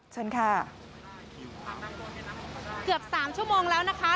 เชิญค่ะเกือบสามชั่วโมงแล้วนะคะ